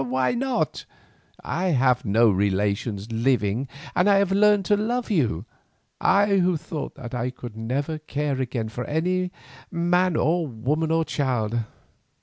Why not? I have no relations living and I have learned to love you, I who thought that I could never care again for any man or woman or child.